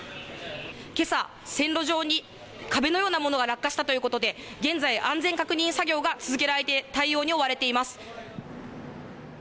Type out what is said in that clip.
けさ、線路上に壁のようなものが落下したということで、現在、安全確認作業が続けられて、対応に追われています。